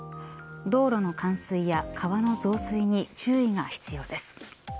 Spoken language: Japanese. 道路の冠水や川の増水に注意が必要です。